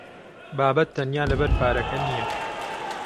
بابەت تەنیا لەبەر پارەکە نییە.